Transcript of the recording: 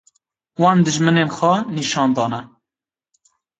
wan dijminên xwe nîşan dane